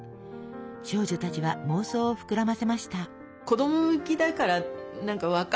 少女たちは妄想を膨らませました。